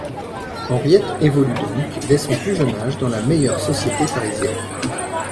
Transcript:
Henriette évolue donc dès son plus jeune âge dans la meilleure société parisienne.